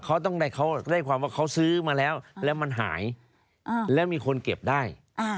เขาต้องได้เขาได้ความว่าเขาซื้อมาแล้วแล้วมันหายแล้วมีคนเก็บได้